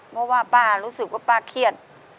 เพราะว่าป้ารู้สึกว่าป้าเครียด